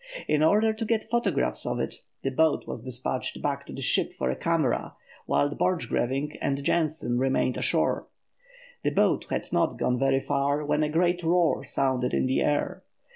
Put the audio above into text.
In order to get photographs of it, the boat was despatched back to the ship for a camera, while Borchgrevinck and Jensen remained ashore. The boat had not gone very far when a great roar sounded in the air.